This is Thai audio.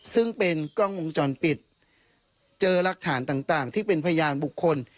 ซึ่งเป็นกล้องวงจรปิดเจอรักฐานต่างที่เป็นพยานบุคคล